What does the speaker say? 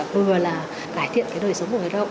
vừa là cải thiện cái đời sống của người lao động